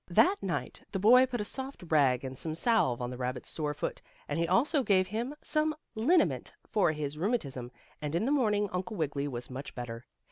That night the boy put a soft rag and some salve on the rabbit's sore foot, and he also gave him some liniment for his rheumatism, and in the morning Uncle Wiggily was much better.